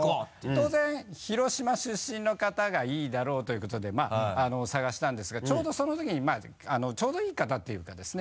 当然広島出身の方がいいだろうということで探したんですがちょうどそのときにちょうどいい方っていうかですね